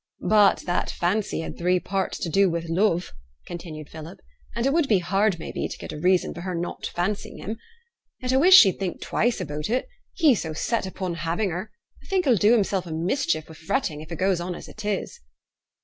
' but that fancy had three parts to do wi' love,' continued Philip, 'and it would be hard, may be, to get a reason for her not fancying him. Yet I wish she'd think twice about it; he so set upon having her, I think he'll do himself a mischief wi' fretting, if it goes on as it is.'